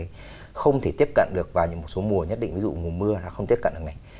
thì không thể tiếp cận được vào những một số mùa nhất định ví dụ mùa mưa nó không tiếp cận được này